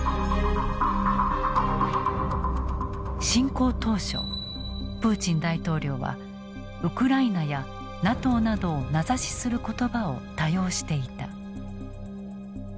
侵攻当初プーチン大統領は「ウクライナ」や「ＮＡＴＯ」などを名指しする言葉を多用していた。